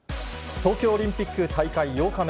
東京オリンピック大会８日目。